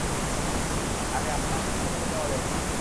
আরে, আপনার হাসপাতালে যাওয়া দরকার!